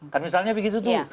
kan misalnya begitu tuh